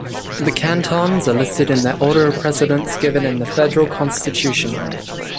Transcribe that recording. The cantons are listed in their order of precedence given in the federal constitution.